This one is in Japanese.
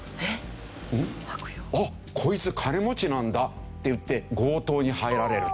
「あっこいつ金持ちなんだ」っていって強盗に入られると。